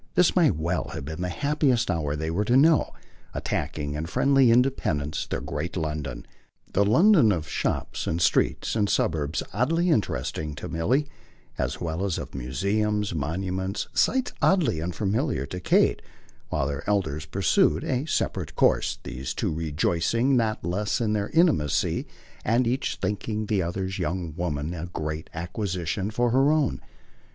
This might well have been the happiest hour they were to know, attacking in friendly independence their great London the London of shops and streets and suburbs oddly interesting to Milly, as well as of museums, monuments, "sights" oddly unfamiliar to Kate, while their elders pursued a separate course; these two rejoicing not less in their intimacy and each thinking the other's young woman a great acquisition for her own.